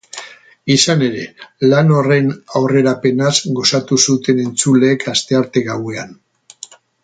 Izan ere, lan horren aurrerapenaz gozatu zuten entzuleek astearte gauean.